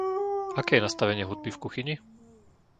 Aké je nastavenie hudby v kuchyni?